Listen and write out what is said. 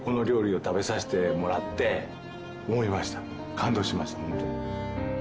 感動しましたホントに。